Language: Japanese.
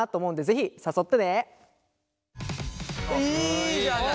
いいじゃない。